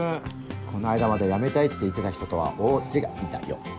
この間まで辞めたいって言ってた人とは大違いだよ。